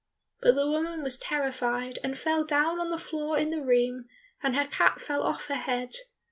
But the woman was terrified, and fell down on the floor in the room, and her cap fell off her head.